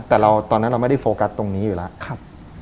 แต่ตอนนั้นเราไม่ได้โฟกัสตรงนี้อยู่แล้ว